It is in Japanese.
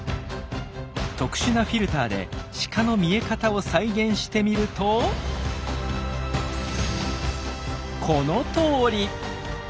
特殊なフィルターでシカの見え方を再現してみるとこのとおり。